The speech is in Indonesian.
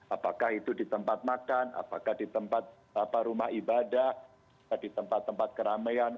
apakah itu di tempat makan apakah di tempat rumah ibadah apakah di tempat tempat keramaian